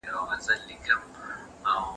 په قلم خط لیکل د تجربو د شریکولو طریقه ده.